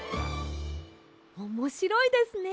おもしろいですね！